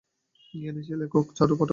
এখন সে লেখক, চারু পাঠক।